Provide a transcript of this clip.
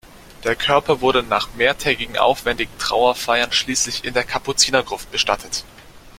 Der Körper wurde nach mehrtägigen aufwendigen Trauerfeiern schließlich in der Kapuzinergruft bestattet.